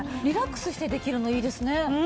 リラックスしてできるのいいですね。